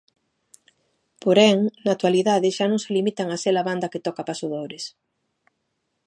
Porén, na actualidade xa non se limitan a ser a banda que toca pasodobres.